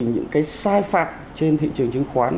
những cái sai phạm trên thị trường chứng khoán